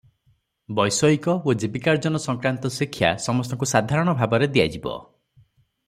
ବୈଷୟିକ ଓ ଜୀବିକାର୍ଜନ ସଂକ୍ରାନ୍ତ ଶିକ୍ଷା ସମସ୍ତଙ୍କୁ ସାଧାରଣ ଭାବରେ ଦିଆଯିବ ।